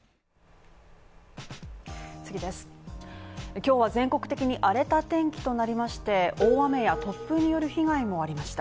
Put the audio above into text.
今日は全国的に荒れた天気となりまして、大雨や突風による被害もありました。